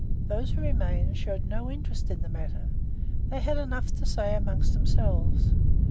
Those who remained showed no interest in the matter. They had enough to say among themselves.